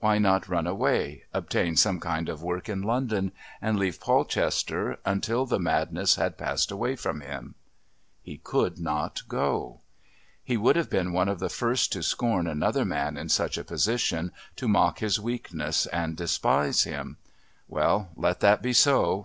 Why not run away, obtain some kind of work in London and leave Polchester until the madness had passed away from him? He could not go. He would have been one of the first to scorn another man in such a position, to mock his weakness and despise him. Well, let that be so.